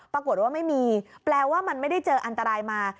ปรากฏว่าไม่มีแปลว่ามันไม่ได้เจออันตรายมา